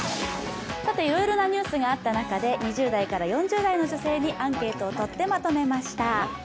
いろいろなニュースがあった中で２０代から４０代の女性にアンケートをとってまとめました。